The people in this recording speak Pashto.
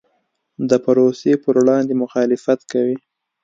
د پروسې پر وړاندې مخالفت کوي.